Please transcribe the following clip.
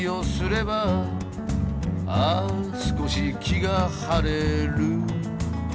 「ああ少し気が晴れる」